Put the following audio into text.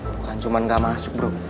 bukan cuma gak masuk bro